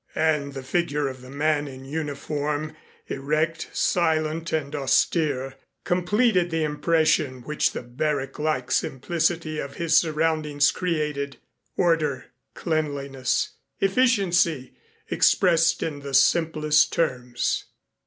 And the figure of the man in uniform, erect, silent and austere, completed the impression which the barrack like simplicity of his surroundings created order, cleanliness, efficiency expressed in the simplest terms.